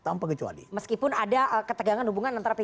meskipun ada ketegangan hubungan antara pdip